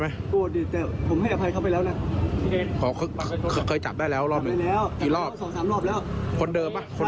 ผมก็ตกใจเลยตอนนั้น